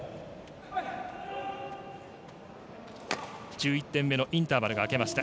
１１点目のインターバルが明けました。